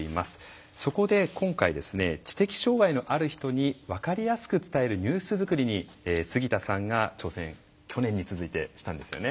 そこで今回、知的障害のある人に分かりやすく伝えるニュース作りに杉田さんが挑戦去年に続いてしたんですよね。